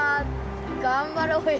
がんばろうよ。